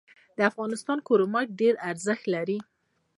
د افغانستان کرومایټ ډیر ارزښت لري